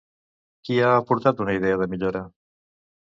Qui ha aportat una idea de millora?